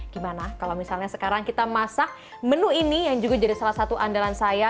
gimana kalau misalnya sekarang kita masak menu ini yang juga jadi salah satu andalan saya